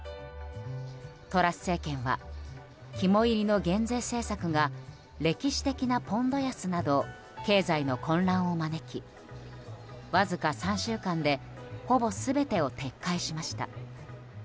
トラス政権は肝煎りの減税政策が歴史的なポンド安など経済の混乱を招きわずか３週間でほぼ全てを撤回しました。